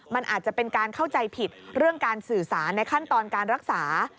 มันอาจจะเป็นการเข้าใจผิดเรื่องการสื่อสารในขั้นตอนการรักษา